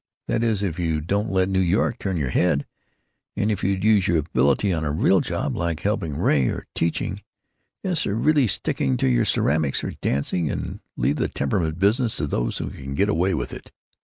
That is, if you don't let New York turn your head; and if you'd use your ability on a real job, like helping Ray, or teaching—yes, or really sticking to your ceramics or dancing, and leave the temperament business to those who can get away with it.